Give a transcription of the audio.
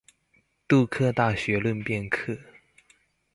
杜克大學論辯課